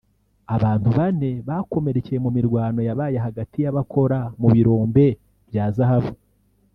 abantu bane bakomerekeye mu mirwano yabaye hagati y’abakora mu birombe bya zahabu